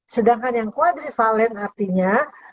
sedangkan yang quadrivalen artinya